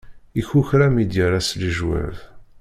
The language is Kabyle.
Ikukra mi d-yerra s lejwab.